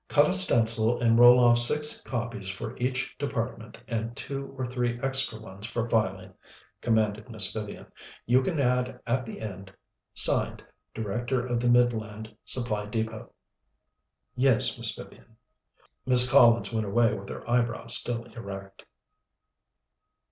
"Cut a stencil and roll off six copies for each department and two or three extra ones for filing," commanded Miss Vivian. "You can add at the end: '(Signed) Director of the Midland Supply Depôt.'" "Yes, Miss Vivian." Miss Collins went away with her eyebrows still erect.